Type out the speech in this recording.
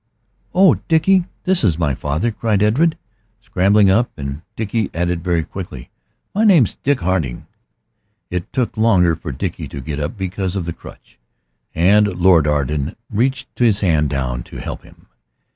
"Oh, Dickie, this is my father," cried Edred, scrambling up. And Dickie added very quickly, "My name's Dick Harding." It took longer for Dickie to get up because of the crutch, and Lord Arden reached his hand down to help him.